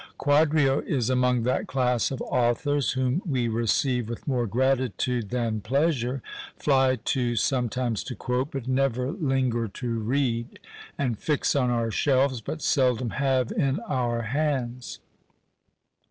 Quadrio is among that class of authors whom we receive with more gratitude than pleasure, fly to sometimes to quote, but never linger to read; and fix on our shelves, but seldom have in our hands.